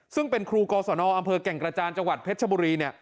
ซึ่งเป็นครูกสนอแก่งกระจานจเพชรบุรี